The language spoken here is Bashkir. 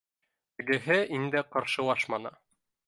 Тегеһе инде ҡаршылашманы